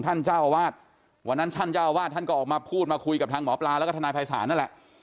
ท่านเจ้าอาวาสวันนั้นท่านเจ้าอาวาสท่านก็ออกมาพูดมาคุยกับทางหมอปลาแล้วก็ทนายภัยศาลนั่นแหละ